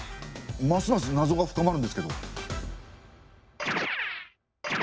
ますますなぞが深まるんですけど。